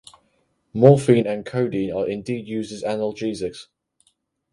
Morphine and codeine are indeed used as analgesics.